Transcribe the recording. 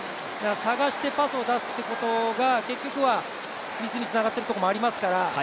探してパスを出すということが結局はミスにつながっているところもありますから。